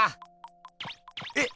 えっ！